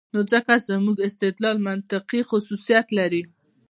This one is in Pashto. نو ځکه زموږ استدلال منطقي خصوصیت لري.